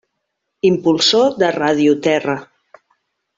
Impulsor de Ràdio Terra.